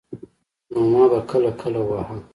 نو ما به کله کله واهه.